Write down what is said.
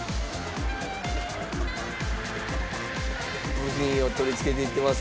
部品を取り付けていっています。